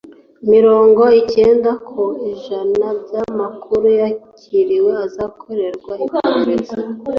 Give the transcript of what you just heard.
mirongo icyenda ku ijana by’amakuru yakiriwe azakorerwa iperereza;